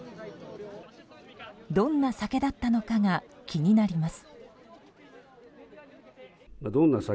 どんな酒だったのかが気になります。